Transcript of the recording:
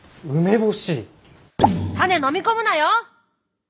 種飲み込むなよ！